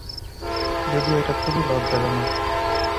যদিও এটা খুবই লজ্জাজনক।